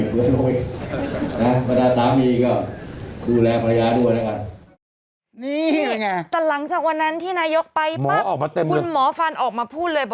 แต่หลังจากวันนั้นที่นายกไปปั๊บคุณหมอฟันออกมาพูดเลย